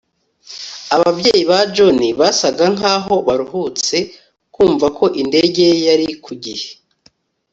ababyeyi ba john basaga nkaho baruhutse kumva ko indege ye yari ku gihe